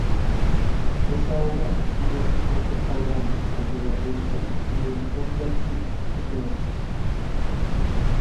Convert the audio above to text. Esa obra obtuvo respuestas favorables de Theodore Roosevelt y de Rudyard Kipling, entre otros.